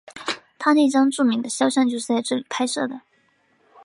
他那张著名的肖像就是在这里拍摄的。